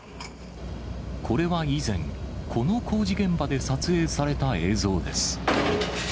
これは以前、この工事現場で撮影された映像です。